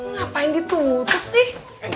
ngapain ditutup sih